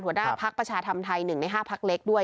หัวหน้าภักดิ์ประชาธรรมไทย๑ใน๕พักเล็กด้วย